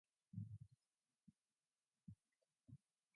Musicians will often have a trademark style.